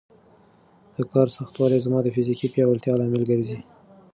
د کار سختوالی زما د فزیکي پیاوړتیا لامل ګرځي.